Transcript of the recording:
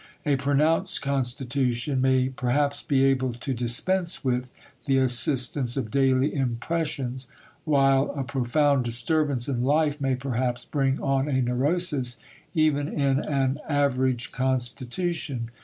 A pronounced constitution may perhaps be able to dispense with the assistance of daily impressions, while a profound disturbance in life may perhaps bring on a neurosis even in an average constitution.